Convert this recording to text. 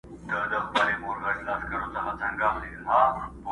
والوتل خوبونه تعبیرونو ته به څه وایو!.